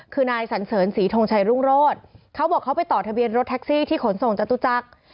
คือนายสันเสริญศรีทงชัยรุ่งโรธเขาบอกเขาไปต่อทะเบียนรถแท็กซี่ที่ขนส่งจตุจักร